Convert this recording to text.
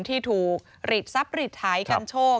ที่ถูกฤทธิ์ทรัพย์ศัพท์ฤทธิ์ไทยกันโชค